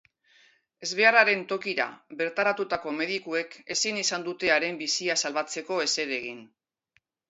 Ezbeharraren tokira bertaratutako medikuek ezin izan dute haren bizia salbatzeko ezer egin.